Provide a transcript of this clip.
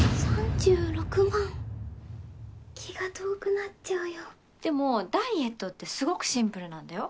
３６万気が遠くなっちゃうよでもダイエットってすごくシンプルなんだよ